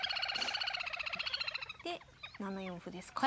で７四歩ですか。